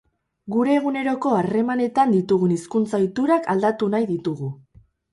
Gure eguneroko harremanetan ditugun hizkuntza-ohiturak aldatu nahi ditugu.